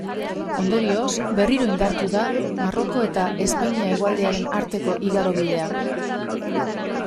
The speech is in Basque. Ondorioz, berriro indartu da Maroko eta Espainia hegoaldearen arteko igarobidea.